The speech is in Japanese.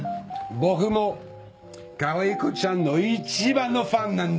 僕もかわいこちゃんの一番のファンなんだ。